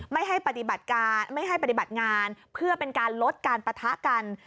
ไม่ให้ปฏิบัติงานเพื่อเป็นการลดการปะทะกัน